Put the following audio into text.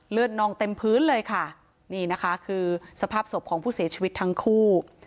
นองเต็มพื้นเลยค่ะนี่นะคะคือสภาพศพของผู้เสียชีวิตทั้งคู่